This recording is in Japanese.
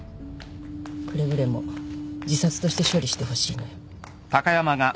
くれぐれも自殺として処理してほしいのよ